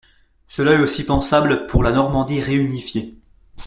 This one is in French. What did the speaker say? Cela est aussi pensable pour la Normandie réunifiée.